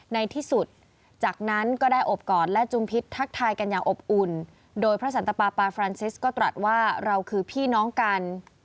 ในที่สุดจากนั้นก็ได้อบกอดและจุมพิษทักทายกันอย่างอบอุ่นโดยพระสันตปาปาฟรานซิสก็ตรัสว่าเราคือพี่น้องกัน